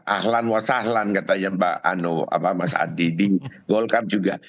ahlan wasahlan katanya mas adi di golkar juga